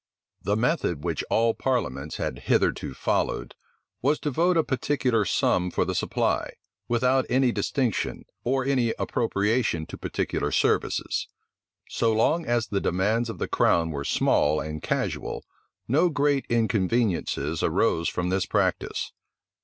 The method which all parliaments had hitherto followed, was to vote a particular sum for the supply, without any distinction, or any appropriation to particular services. So long as the demands of the crown were small and casual, no great inconveniencies arose from this practice.